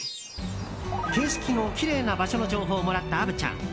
景色のきれいな場所の情報をもらった虻ちゃん。